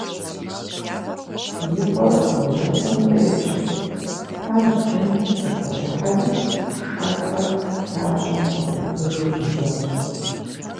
И къуэр бжьэпэм къехщ, тажьджэм къыбгъэдыхьэри шэрхъыр лъабжьэм къыфӀихыжу щӀидзащ.